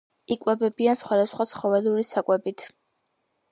იკვებებიან სხვადასხვა ცხოველური საკვებით.